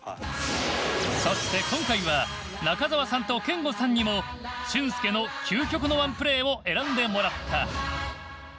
そして今回は中澤さんと憲剛さんにも俊輔の究極のワンプレーを選んでもらった。